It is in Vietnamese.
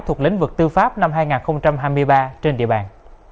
thuộc lĩnh vực tư pháp năm hai nghìn hai mươi ba trên địa bàn